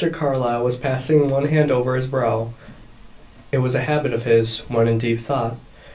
Carlyle was passing one hand over his brow; it was a habit of his when in deep thought.